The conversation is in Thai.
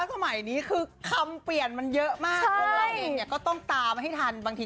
สมัยนี้ไม่รู้เขาเรียกมาอะไร